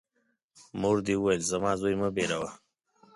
مور دي وویل : زما زوی مه بېروه!